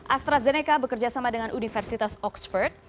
astrazeneca bekerja sama dengan universitas oxford